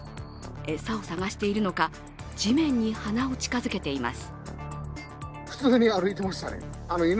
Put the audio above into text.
餌を探しているのか、地面に鼻を近づけています。